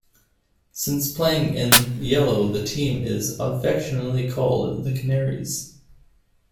Since playing in yellow the team is affectionately called "the Canaries".